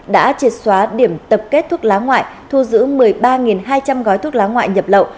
đã triệt xóa điểm tập kết thuốc lá ngoại thu giữ một mươi ba hai trăm linh gói thuốc lá ngoại nhập lậu